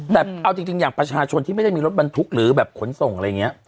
แต่เอาจริงอย่างประชาชนที่ไม่ได้มีรถบรรทุกหรือแบบขนส่งอะไรอย่างนี้